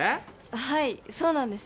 はいそうなんです